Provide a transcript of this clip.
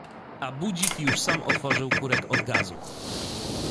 A budzik już sam otworzył kurek od gazu.